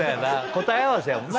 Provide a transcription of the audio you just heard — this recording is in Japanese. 答え合わせやもんな。